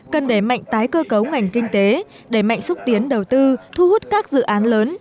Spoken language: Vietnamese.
cần đẩy mạnh tái cơ cấu ngành kinh tế đẩy mạnh xúc tiến đầu tư thu hút các dự án lớn